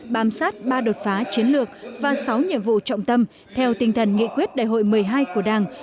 bám sát ba đột phá chiến lược và sáu nhiệm vụ trọng tâm theo tinh thần nghị quyết đại hội một mươi hai của đảng